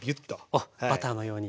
あっバターのように。